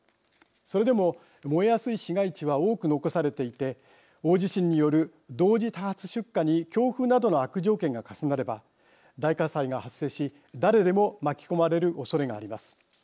それでも燃えやすい市街地は多く残されていて大地震による同時多発出火に強風などの悪条件が重なれば大火災が発生し誰でも巻き込まれるおそれがあります。